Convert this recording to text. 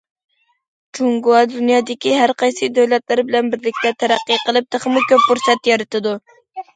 جۇڭگو دۇنيادىكى ھەر قايسى دۆلەتلەر بىلەن بىرلىكتە تەرەققىي قىلىپ، تېخىمۇ كۆپ پۇرسەت يارىتىدۇ.